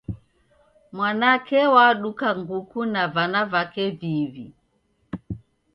Mwanake waduka nguku na vana vake viw'i.